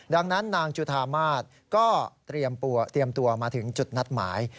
ดังนั้นนางจุธามาศก็เตรียมตัวมาถึงจุดนัดหมาย